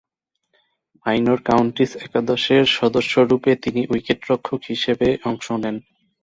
Minor counties একাদশের সদস্যরূপে তিনি উইকেট-রক্ষক হিসেবে অংশ নেন।